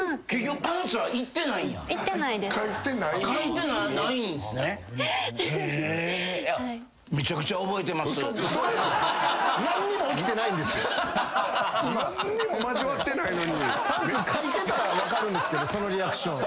パンツ書いてたら分かるんですけどそのリアクション。